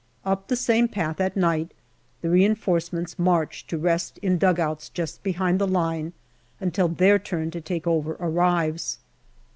Up the same path, at night, the reinforcements march to rest in dugouts just behind the line until their turn to take over arrives.